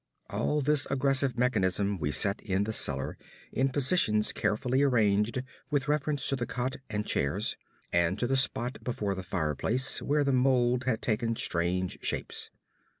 All this aggressive mechanism we set in the cellar in positions carefully arranged with reference to the cot and chairs, and to the spot before the fireplace where the mold had taken strange shapes.